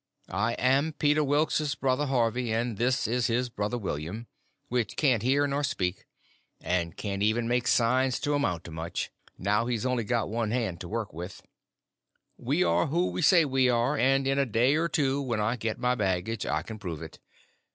I am Peter Wilks' brother Harvey, and this is his brother William, which can't hear nor speak—and can't even make signs to amount to much, now't he's only got one hand to work them with. We are who we say we are; and in a day or two, when I get the baggage, I can prove it.